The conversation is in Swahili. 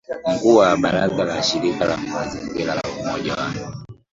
mkuu wa baraza la shirika la mazingira la Umoja wa